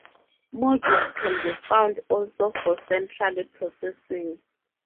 Modules can be found also for central processing.